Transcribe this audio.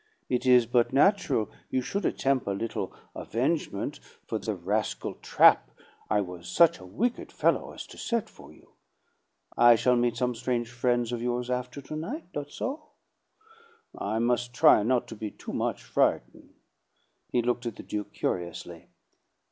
It is but natural you should attemp' a little avengement for the rascal trap I was such a wicked fellow as to set for you. I shall meet some strange frien's of yours after to night; not so? I must try to be not too much frighten'." He looked at the Duke curiously.